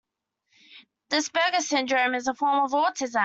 The Asperger syndrome is a form of autism.